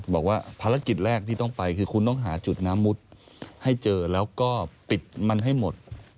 บอกว่าภารกิจแรกที่ต้องไปคือคุณต้องหาจุดน้ำมุดให้เจอแล้วก็ปิดมันให้หมด